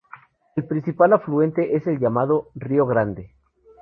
El principal afluente es el llamado: Río Grande.